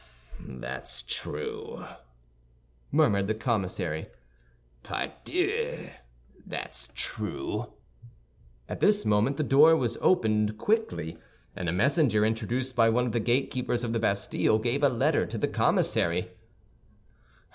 "That's true," murmured the commissary; "pardieu, that's true." At this moment the door was opened quickly, and a messenger, introduced by one of the gatekeepers of the Bastille, gave a letter to the commissary.